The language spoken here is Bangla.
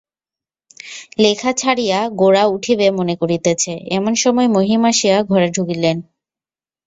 লেখা ছাড়িয়া গোরা উঠিবে মনে করিতেছে এমন সময় মহিম আসিয়া ঘরে ঢুকিলেন।